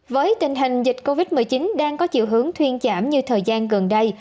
với tình hình dịch covid một mươi chín đang có chiều hướng thuyên giảm như thời gian gần đây